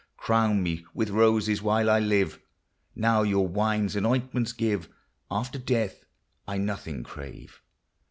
Crown me with roses while I live, Now your wines and ointments give ; After death I nothing crave.